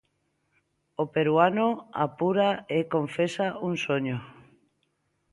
O peruano apura e confesa un soño.